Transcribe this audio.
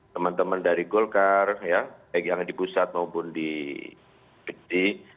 teman teman dari golkar ya baik yang di pusat maupun di